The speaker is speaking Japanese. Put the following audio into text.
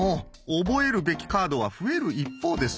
覚えるべきカードは増える一方です。